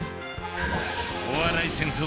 お笑い戦闘